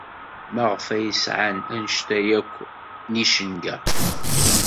Maɣef ay sɛan anect-a akk n yicenga?